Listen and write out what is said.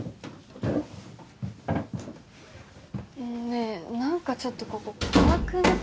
ねえ何かちょっとここ怖くない？